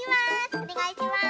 おねがいします。